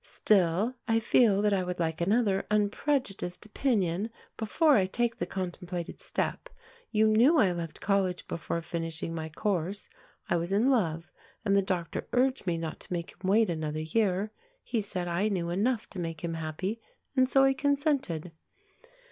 Still, I feel that I would like another unprejudiced opinion before I take the contemplated step. You knew I left college before finishing my course. I was in love and the doctor urged me not to make him wait another year. He said I knew enough to make him happy, and so I consented."